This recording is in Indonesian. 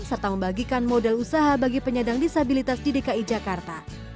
serta membagikan modal usaha bagi penyandang disabilitas di dki jakarta